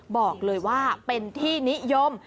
บอกเลยว่าเป็นที่นิยม